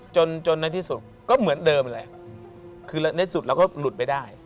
จนจนในที่สุดก็เหมือนเดิมแหละคือในสุดเราก็หลุดไปได้